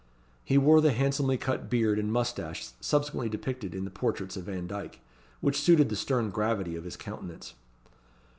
He wore the handsomely cut beard and moustache subsequently depicted in the portraits of Vandyke, which suited the stern gravity of his countenance.